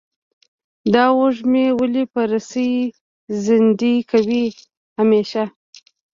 دا وږمې ولې په رسۍ زندۍ کوې همیشه؟